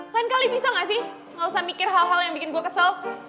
lain kali bisa gak sih gak usah mikir hal hal yang bikin gue kesel